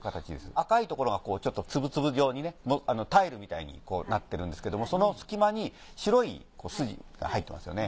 赤いところがちょっと粒々状にタイルみたいになってるんですけどもその隙間に白い筋入ってますよね。